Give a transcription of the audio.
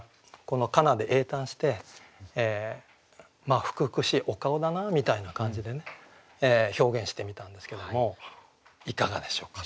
この「かな」で詠嘆して福々しいお顔だなみたいな感じでね表現してみたんですけどもいかがでしょうか。